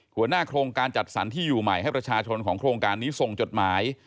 หัวหน้าโครงการจัดสรรที่อยู่ใหม่ให้ประชาชนของโครงการนี้ส่งจดหมาย